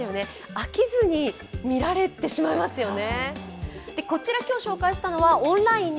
飽きずに見られてしまいますよね。